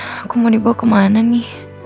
aku mau dibawa kemana nih